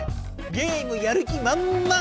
ゲームやる気まんまん！